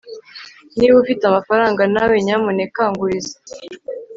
niba ufite amafaranga nawe, nyamuneka nguriza